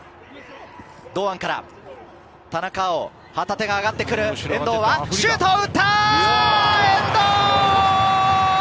堂安から田中青、旗手が上がってくる、遠藤がシュートを打った！